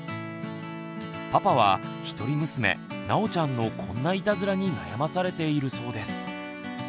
パパは一人娘なおちゃんのこんないたずらに悩まされているそうです。